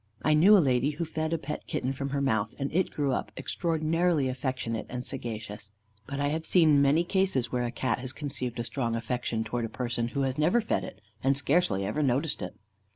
I knew a lady who fed a pet kitten from her mouth, and it grew up extraordinarily affectionate and sagacious. But I have seen many cases where a Cat has conceived a strong affection towards a person who has never fed it, and scarcely ever noticed it.